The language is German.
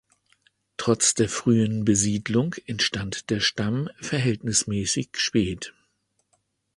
Trotz der frühen Besiedlung entstand der Stamm verhältnismäßig spät.